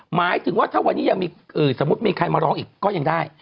หมายถึงว่าถ้าวันนี้ยังมีสมมุติมีใครมาร้องอีกก็ยังได้